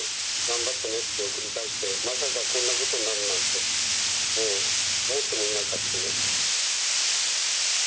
頑張ってねって送り出して、まさかこんなことになるなんて、もう、思ってもいなかったんで。